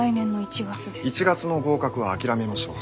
１月の合格は諦めましょう。